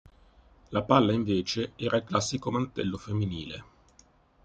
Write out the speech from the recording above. La "palla" invece era il classico mantello femminile.